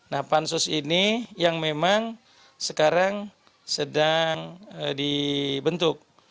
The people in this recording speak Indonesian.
nah pansus ini yang memang sekarang sedang dibentuk